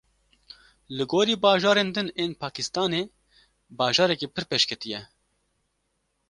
Li gorî bajarên din ên Pakistanê bajarekî pir pêşketî ye.